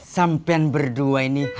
sampai berdua ini hari ini berakhir